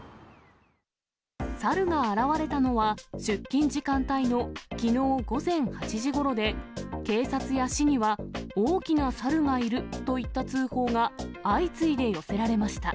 サルが現れたのは、出勤時間帯のきのう午前８時ごろで、警察や市には、大きなサルがいるといった通報が相次いで寄せられました。